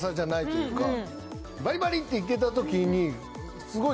バリバリ！っていけた時にすごい。